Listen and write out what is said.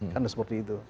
kan seperti itu